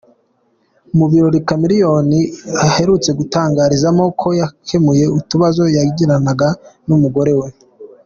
Mu birori Chameleone aherutse gutangarizamo ko yakemuye utubazo yagiranaga n’umugore we.